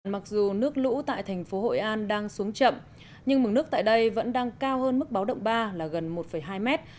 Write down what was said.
mặc dù nước lũ tại thành phố hội an đang xuống chậm nhưng mực nước tại đây vẫn đang cao hơn mức báo động ba là gần một hai mét